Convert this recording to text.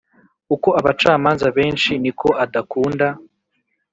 “uko abacamanza benshi, ni ko adakunda.”